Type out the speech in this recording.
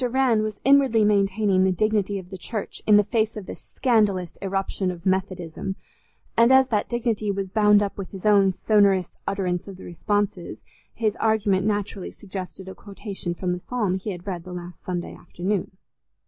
Rann was inwardly maintaining the dignity of the Church in the face of this scandalous irruption of Methodism, and as that dignity was bound up with his own sonorous utterance of the responses, his argument naturally suggested a quotation from the psalm he had read the last Sunday afternoon.